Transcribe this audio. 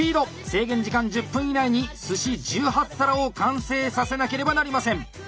制限時間１０分以内に寿司１８皿を完成させなければなりません。